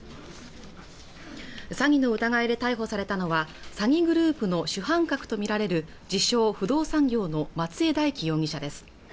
詐欺の疑いで逮捕されたのは詐欺グループの主犯格とみられる自称・不動産業の松江大樹容疑者です